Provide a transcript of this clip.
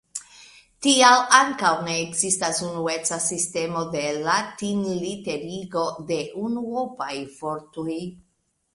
Tial ankaŭ ne ekzistas unueca sistemo de latinliterigo de unuopaj vortoj.